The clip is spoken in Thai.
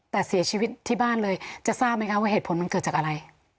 แต่เสียชีวิตที่บ้านเลยจะทราบไหมคะว่าเหตุผลมันเกิดจากอะไร